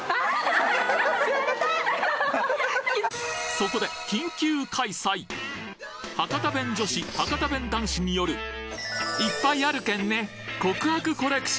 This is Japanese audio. そこで博多弁女子博多弁男子によるいっぱいあるけんね！